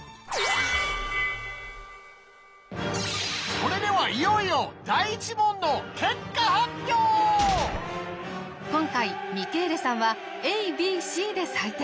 それではいよいよ今回ミケーレさんはＡＢＣで採点。